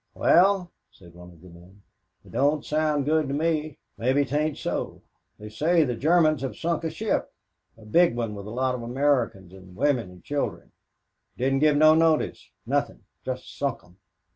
"Well," said one of the men "it don't sound good to me mebbe 'tain't so they say the Germans have sunk a ship a big one with a lot of Americans and women and children didn't give no notice nothing just sunk 'em."